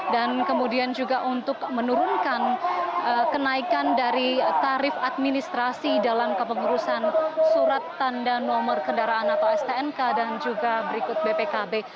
dan kemudian juga untuk menurunkan kenaikan dari tarif administrasi dalam kepengurusan surat tanda nomor kendaraan atau stnk dan juga berikut bpkb